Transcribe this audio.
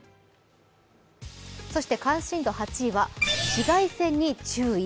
そして関心度８位は紫外線に注意。